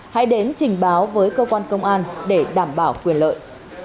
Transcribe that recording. hãy đến trình báo với cơ quan công an để đảm bảo quyền lợi